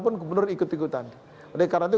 pun gubernur ikut ikutan oleh karena itu